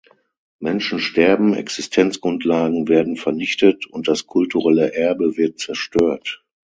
Menschen sterben, Existenzgrundlagen werden vernichtet, und das kulturelle Erbe wird zerstört.